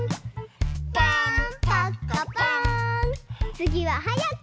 つぎははやく！